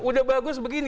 udah bagus begini